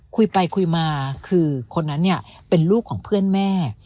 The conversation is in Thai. คุยไปคุยมาคือคนนั้นเนี่ยเป็นลูกของเพื่อนแม่